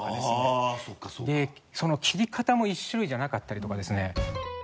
その切り方も１種類じゃなかったりとかですね。